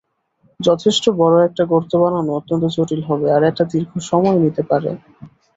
যথেষ্ট বড় একটা গর্ত বানানো অত্যন্ত জটিল হবে আর এটা দীর্ঘ সময় নিতে পারে।